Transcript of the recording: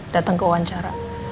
datang ke wawancara